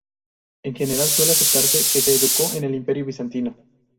En general, suele aceptarse que se educó en el Imperio bizantino.